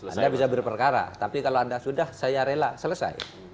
anda bisa berperkara tapi kalau anda sudah saya rela selesai